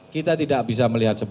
kita tidak bisa melihat